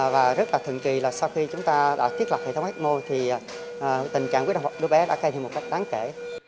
và rất là thường kỳ là sau khi chúng ta đã thiết lập hệ thống ecmo thì tình trạng của đứa bé đã cây thêm một cách đáng kể